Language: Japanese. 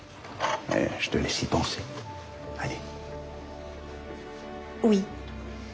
はい。